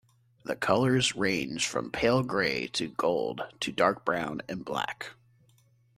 The colors range from pale grey to gold to dark brown and black.